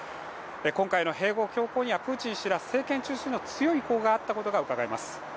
今回の併合強行にはプーチン氏ら政権中枢の強い意向があったことがうかがえます。